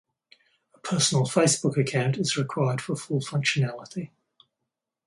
A personal Facebook account is required for full functionality.